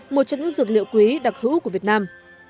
một trong những dược liệu quý đặc hữu của việt nam